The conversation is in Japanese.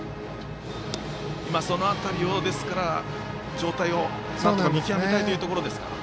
その辺りの状態を見極めたいというところですか。